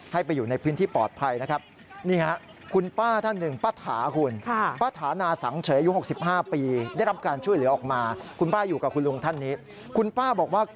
ให้ไปอยู่ในพื้นที่ปลอดภัยนะครับ